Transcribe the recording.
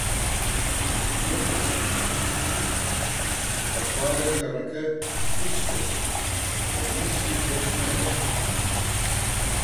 مەترسە! بە خوا لەم گەڕەکە هیچ کەس کۆمۆنیستی خۆش ناوێ